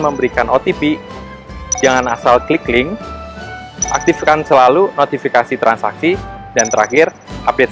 memberikan otp jangan asal klik link aktifkan selalu notifikasi transaksi dan terakhir update